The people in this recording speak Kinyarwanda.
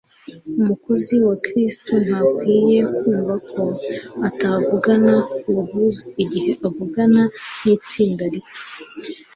Umukozi wa Kristo ntakwiriye kumva ko atavugana ubwuzu igihe avugana n’itsinda rito,